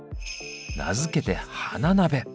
名付けて「花鍋」。